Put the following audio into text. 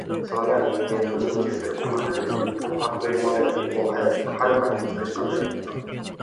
その眼は人間の珍重する琥珀というものよりも遥かに美しく輝いていた